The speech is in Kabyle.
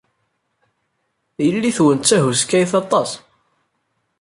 Yelli-twen d tahuskayt aṭas.